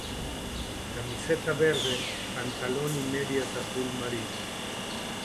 Camiseta verde, pantalón y medias azul marino.